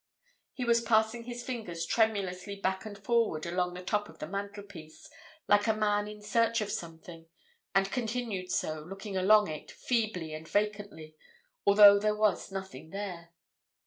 He was passing his fingers tremulously back and forward along the top of the mantelpiece, like a man in search of something, and continued so, looking along it, feebly and vacantly, although there was nothing there.